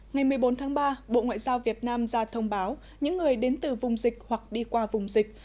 ngày một mươi bốn tháng ba bộ ngoại giao việt nam ra thông báo những người đến từ vùng dịch hoặc đi qua vùng dịch